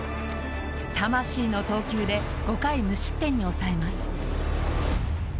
魂の投球で５回無失点に抑えます。